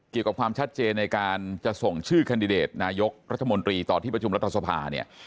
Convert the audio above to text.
ความชัดเจนในการจะส่งชื่อแคนดิเดตนายกรัฐมนตรีต่อที่ประชุมรัฐสภาเนี่ย